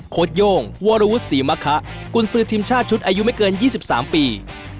โย่งวรวุฒิศรีมะคะกุญสือทีมชาติชุดอายุไม่เกิน๒๓ปี